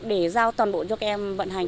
để giao toàn bộ cho các em vận hành